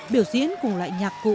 biểu diễn cùng loại nhạc cụ